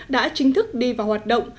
đã chính thức đi vào hoạt động